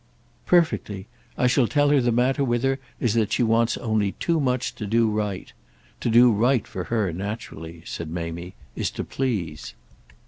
"Perfectly. I shall tell her the matter with her is that she wants only too much to do right. To do right for her, naturally," said Mamie, "is to please."